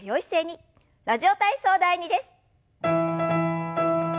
「ラジオ体操第２」です。